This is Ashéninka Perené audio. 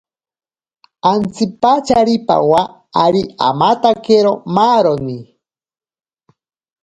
Antsipatyari pawa ari amatakero maaroni.